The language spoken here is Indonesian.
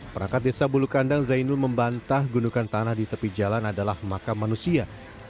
perangkat desa bulu kandang zainul membantah gundukan tanah di tepi jalan adalah makam manusia